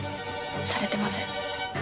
されてません